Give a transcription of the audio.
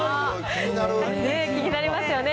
気になりますよね。